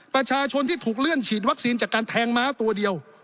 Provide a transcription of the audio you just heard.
ประชาชนที่ถูกเลื่อนฉีดวัคซีนจากการแทงม้าตัวเดียว